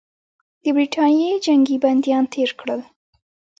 د برټانیې جنګي بندیان تېر کړل.